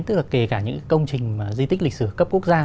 tức là kể cả những công trình di tích lịch sử cấp quốc gia